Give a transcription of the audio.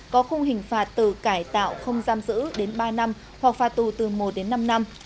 có khung hình phạt từ cải tạo không giam giữ đến ba năm hoặc phạt tù từ một đến năm năm